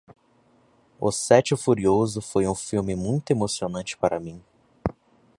O sete furioso foi um filme muito emocionante para mim.